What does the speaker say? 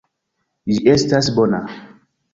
Ĝi estas bona.